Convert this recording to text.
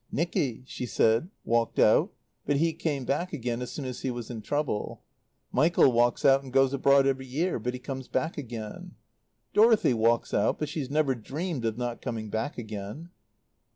"Nicky," she said, "walked out; but he came back again as soon as he was in trouble. Michael walks out and goes abroad every year; but he comes back again. Dorothy walks out, but she's never dreamed of not coming back again."